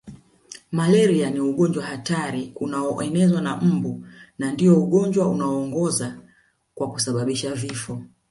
Malaria ni ugonjwa hatari unaonezwa na mbu na ndio ugonjwa unaoongoza kwa kusababisha vifo